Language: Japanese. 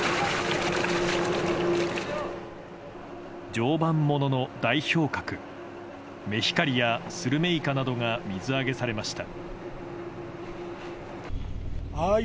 常磐ものの代表格メヒカリやスルメイカなどが水揚げされました。